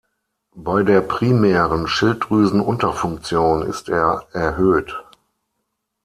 Bei der primären Schilddrüsenunterfunktion ist er erhöht.